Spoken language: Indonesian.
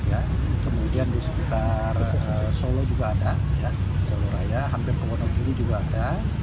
kemudian di sekitar solo juga ada soloraya hampir ke wonogiri juga ada